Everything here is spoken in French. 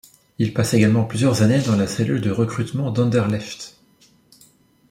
Il passe également plusieurs années dans la cellule de recrutement d'Anderlecht.